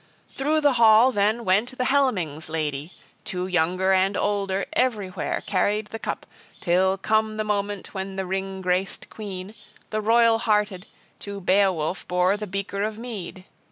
Through the hall then went the Helmings' Lady, to younger and older everywhere carried the cup, till come the moment when the ring graced queen, the royal hearted, to Beowulf bore the beaker of mead.